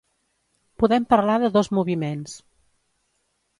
Podem parlar de dos moviments.